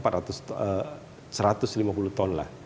karena terhadap itu satu ratus lima puluh ton lah